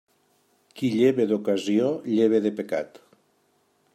Qui lleva d'ocasió, lleva de pecat.